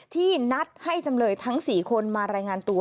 ที่นัดให้จำเลยทั้ง๔คนมารายงานตัว